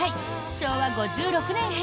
昭和５６年編。